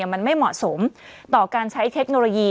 มันไม่เหมาะสมต่อการใช้เทคโนโลยี